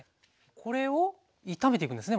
これを炒めていくんですね